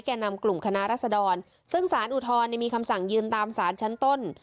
แก่นำกลุ่มคณะรัศดรซึ่งสารอุทธรณ์มีคำสั่งยืนตามสารชั้นต้น